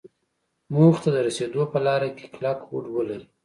موخې ته د رسېدو په لاره کې کلک هوډ ولري.